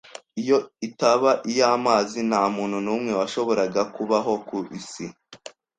Iyo itaba iy'amazi, nta muntu n'umwe washoboraga kubaho ku isi.